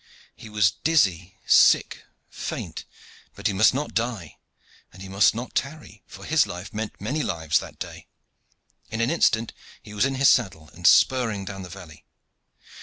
He was dizzy, sick, faint, but he must not die, and he must not tarry, for his life meant many lives that day. In an instant he was in his saddle and spurring down the valley.